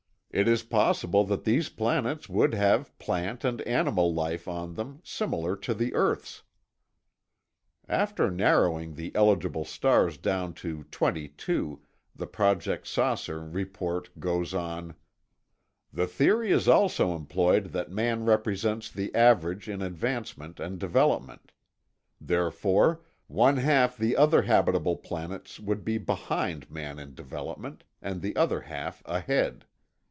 It is possible that these planets would have plant and animal life on them similar to the earth's." After narrowing the eligible stars down to twenty two the Project "Saucer" report goes on: The theory is also employed that man represents the average in advancement and development. Therefore, one half the other habitable planets would be behind man in development, and the other half ahead.